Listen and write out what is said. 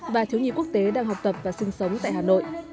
và thiếu nhi quốc tế đang học tập và sinh sống tại hà nội